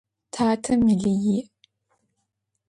Татэ мэлий иӏ.